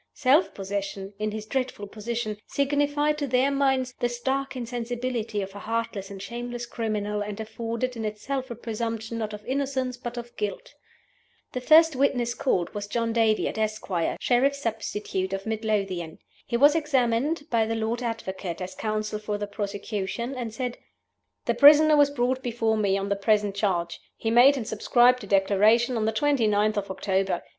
Self possession, in his dreadful position, signified, to their minds, the stark insensibility of a heartless and shameless criminal, and afforded in itself a presumption, not of innocence, but of guilt. The first witness called was John Daviot, Esquire, Sheriff Substitute of Mid Lothian. He was examined by the Lord Advocate (as counsel for the prosecution); and said: "The prisoner was brought before me on the present charge. He made and subscribed a Declaration on the 29th of October.